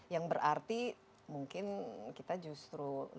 yang berarti mungkin kita justru lebih banyak